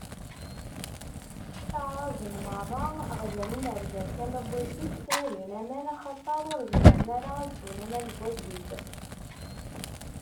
Iɛraben meṛṛa ɣzan imerjan tama n wasif, ttnadin aman, axaṭer ur zmiren ara ad swen aman n wasif.